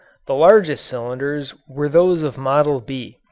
The largest cylinders were those of "Model B."